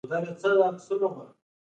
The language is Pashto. وایه قسمته په تېرو کې به تر څو پراته وي.